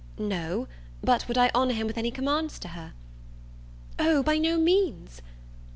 No; but would I honour him with any commands to her? "O, by no means!"